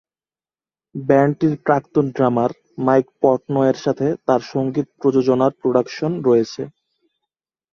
ব্যান্ডটির প্রাক্তন drummer Mike পর্টনয়-এর সাথে তার সঙ্গীত প্রযোজনার প্রোডাকশন রয়েছে।